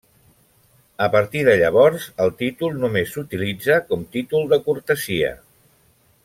A partir de llavors el títol només s'utilitza com títol de cortesia.